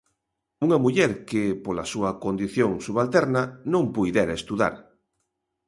Unha muller que, pola súa condición subalterna, non puidera estudar.